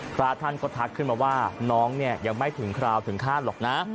พระท่านก็ทักขึ้นมาว่าน้องเนี่ยยังไม่ถึงคราวถึงขั้นหรอกนะ